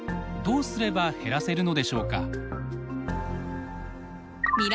どうすれば減らせるのでしょうか。